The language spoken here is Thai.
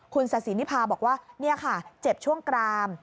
คุณศาสินิพาบอกว่านี่ค่ะเจ็บช่วงกราม